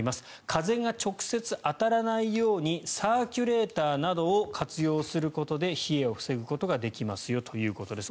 風が直接当たらないようにサーキュレーターなどを活用することで冷えを防ぐことができますよということです。